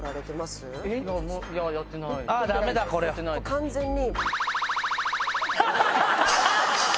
完全に。